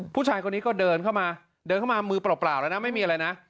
ผู้ชายคนนี้ก็เดินเข้ามาเดินเข้ามามือเปล่าแล้วนะไม่มีอะไรนะ